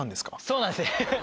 そうなんです。